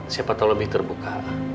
siapa tau lebih terbuka